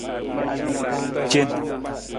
Cen.